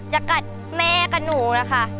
จะกัดแม่กับหนูนะคะ